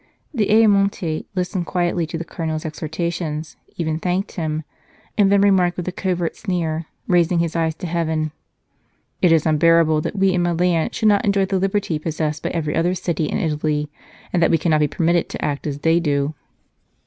D Ayamonte listened quietly to the Cardinal s exhortations, even thanked him, and then re marked with a covert sneer, raising his eyes to heaven :" It is unbearable that we in Milan should not enjoy the liberty possessed by every other city in Italy, and that we cannot be permitted to act as they do."